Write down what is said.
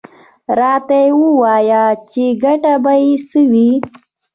_راته ووايه چې ګټه به يې څه وي؟